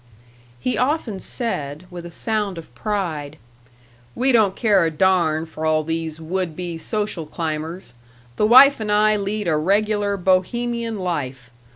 He often said, with a sound of pride: "We don't care a darn for all these would be social climbers. The wife and I lead a regular Bohemian life.